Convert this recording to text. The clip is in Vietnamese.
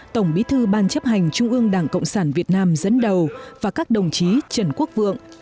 tổng bí thư ban chấp hành trung ương đảng cộng sản việt nam dẫn đầu và các đồng chí trần quốc vượng